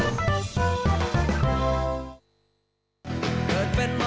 สวัสดีครับ